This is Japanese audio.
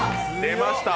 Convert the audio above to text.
出ました！